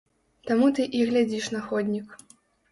Таму ты і глядзіш на ходнік.